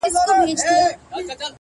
• د دوزخي حُسن چيرمني جنتي دي کړم ـ